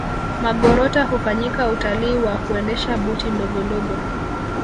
magorota hufanyika Utalii wa kuendesha boti ndogondogo